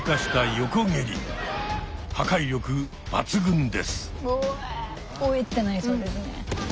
おえ「おえ」ってなりそうですね。